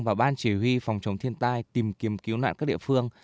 và ban chỉ huy phòng chống thiên tai tìm kiếm cứu nạn các địa phương